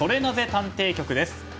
探偵局です。